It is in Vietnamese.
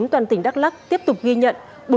toàn tỉnh đắk lắc tiếp tục ghi nhận